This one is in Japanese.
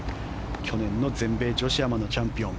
去年の全米女子アマのチャンピオン。